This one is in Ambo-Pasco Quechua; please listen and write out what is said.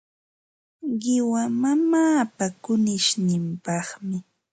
Qiwa mamaapa kunishninpaqmi.